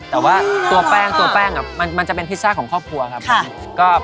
แต่ว่าตัวแป้งตัวแป้งมันจะเป็นพิซซ่าของครอบครัวครับ